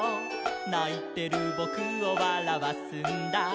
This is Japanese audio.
「ないてるぼくをわらわすんだ」